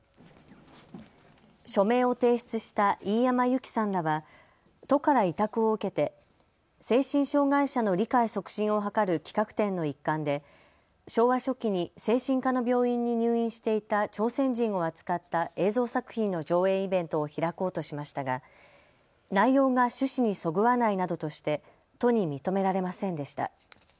署名を提出した飯山由貴さんらは都から委託を受けて精神障害者の理解促進を図る企画展の一環で昭和初期に精神科の病院に入院していた朝鮮人を扱った映像作品の上映イベントを開こうとしましたが内容が趣旨にそぐわないなどとして都に認められませんでした。